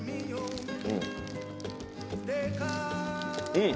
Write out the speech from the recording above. うん！